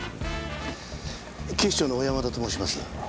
警視庁の小山田と申します。